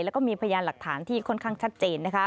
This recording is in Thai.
แล้วก็มีพยานหลักฐานที่ค่อนข้างชัดเจนนะคะ